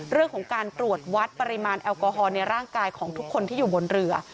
เรื่องของการตรวจวัดปริมาณแอลกอฮอลในร่างกายของทุกคนที่อยู่บนเรือ